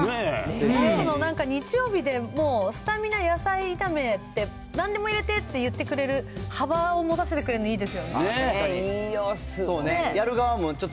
最後のなんか、日曜日でもう、スタミナ野菜炒めって、なんでも入れてって言ってくれる、幅を持たせてくれるのいいです